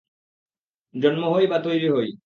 জন্মই হই বা তৈরি হই।